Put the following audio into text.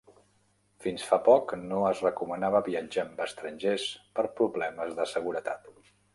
Fins fa poc, no es recomanava viatjar amb estrangers per problemes de seguretat.